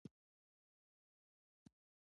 نحوه د جملې جوړښت تشریح کوي.